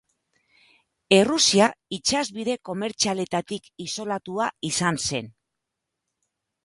Errusia, itsas bide komertzialetatik isolatua izan zen.